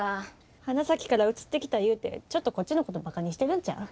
花咲から移ってきたいうてちょっとこっちのことバカにしてるんちゃう？